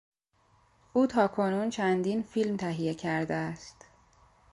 او تاکنون چندین فیلم تهیه کرده است.